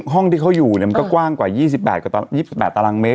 ห้องที่เขาอยู่มันก็กว้างกว่า๒๘๒๘ตารางเมต